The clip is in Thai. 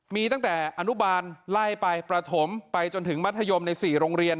มีตั้งแต่อนุบาลไล่ไปประถมไปจนถึงมัธยมใน๔โรงเรียน